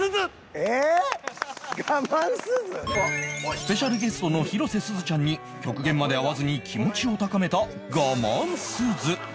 スペシャルゲストの広瀬すずちゃんに極限まで会わずに気持ちを高めた「ガマンすず！！」